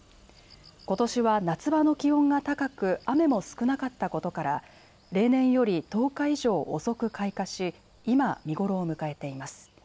ことしは夏場の気温が高く雨も少なかったことから例年より１０日以上遅く開花し今、見頃を迎えています。